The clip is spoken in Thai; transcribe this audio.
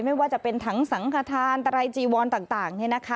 ไม่ว่าจะเป็นถังสังขทานตะไรจีวอนต่าง